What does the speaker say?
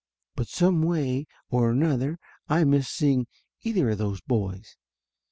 But some way or another I missed seeing either o those boys.